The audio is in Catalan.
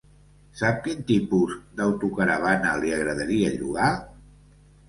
Sap quin tipus d'autocaravana li agradaria llogar?